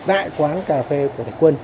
tại quán cà phê của thạch quân